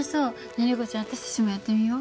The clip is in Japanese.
ねえリコちゃん私たちもやってみよう。